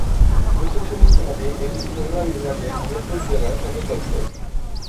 প্রশাসনিকভাবে এটি খুলনা বিভাগের মেহেরপুর জেলার সদরদপ্তর।